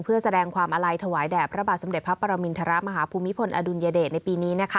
เพื่อแสดงความอาลัยถวายแด่พระบาทสมเด็จพระปรมินทรมาฮภูมิพลอดุลยเดชในปีนี้